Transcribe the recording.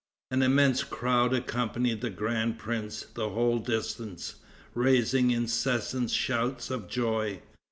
An immense crowd accompanied the grand prince the whole distance, raising incessant shouts of joy.